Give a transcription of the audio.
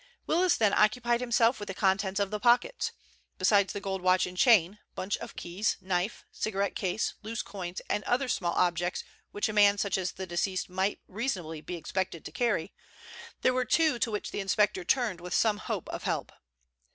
Willis then occupied himself the contents of the pockets. Besides the gold watch and chain, bunch of keys, knife, cigarette case, loose coins and other small objects which a man such as the deceased might reasonably be expected to carry, there were two to which the inspector turned with some hope of help.